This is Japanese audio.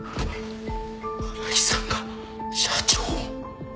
荒井さんが社長？